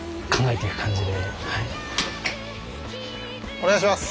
お願いします。